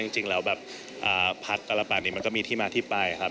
จริงแล้วแบบพักกรปัดนี้มันก็มีที่มาที่ไปครับ